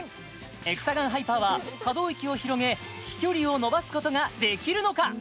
エクサガンハイパーは可動域を広げ飛距離を伸ばすことができるのか